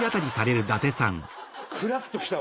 クラっと来たわ。